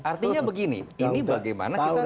artinya begini ini bagaimana